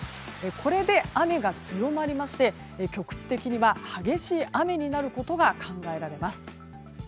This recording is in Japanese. これで雨が強まりまして局地的には激しい雨になることが考えられます。